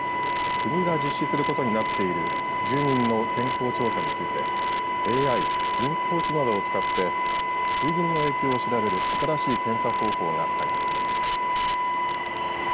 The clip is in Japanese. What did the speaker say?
国が実施することになっている住民の健康調査についてＡＩ、人工知能などを使って水銀の影響を調べる新しい検査方法が開発されました。